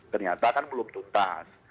ternyata kan belum tuntas